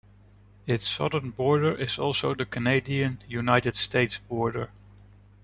Its southern border is also the Canada-United States border.